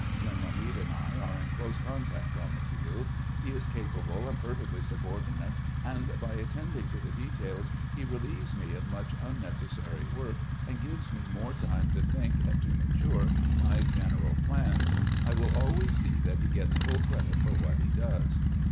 General Meade and I are in close contact on the field ; he is ca *^pable and perfectly subordinate, and by attending to the details he relieves me of much unnecessary work, and gives me more time to think and to mature my general plans. I will always see that he gets fuU credit for what he does."